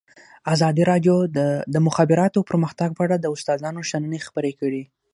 ازادي راډیو د د مخابراتو پرمختګ په اړه د استادانو شننې خپرې کړي.